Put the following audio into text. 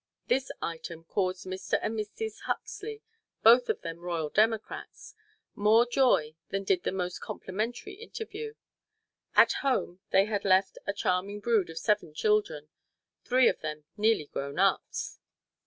This item caused Mr. and Mrs. Huxley both of them royal democrats more joy than did the most complimentary interview. At home they had left a charming little brood of seven children, three of them nearly grown ups.